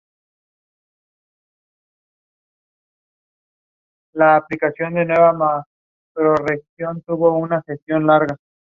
Requiere de creatividad para que sea un show.